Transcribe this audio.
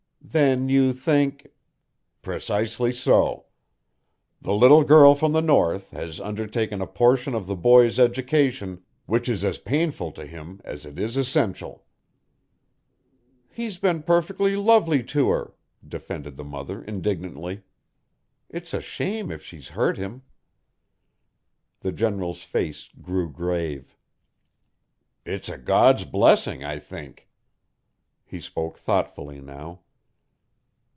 "Then you think ?" "Precisely so. The little girl from the North has undertaken a portion of the boy's education which is as painful to him as it is essential." "He's been perfectly lovely to her," defended the mother indignantly. "It's a shame if she's hurt him." The General's face grew grave. "It's a God's blessing, I think." He spoke thoughtfully now.